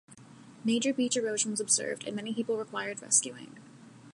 Major beach erosion was observed, and many people required rescuing.